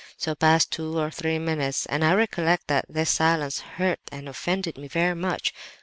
So passed two or three minutes, and I recollect that his silence hurt and offended me very much.